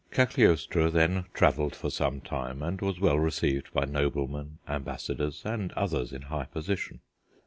Cagliostro then travelled for some time, and was well received by noblemen, ambassadors, and others in high position.